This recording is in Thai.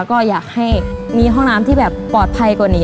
ก็อยากให้มีห้องน้ำที่แบบปลอดภัยกว่านี้